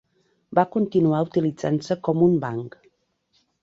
Va continuar utilitzant-se con un banc.